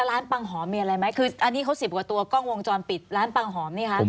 แล้วร้านปังหอมมีอะไรไหมคืออันนี้เขาสิบกว่าตัวกล้องวงจรปิดร้านปังหอมเนี่ยครับ